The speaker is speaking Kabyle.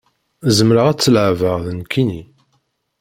Zemreɣ ad tt-leεbeɣ d nekkini